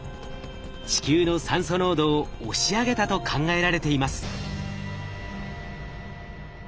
地球の酸素濃度を押し上げたと考えられています。